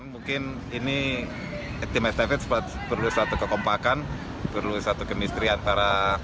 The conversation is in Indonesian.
mungkin ini tim estafet perlu satu kekompakan perlu satu kemistri antara